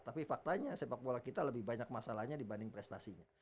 tapi faktanya sepak bola kita lebih banyak masalahnya dibanding prestasinya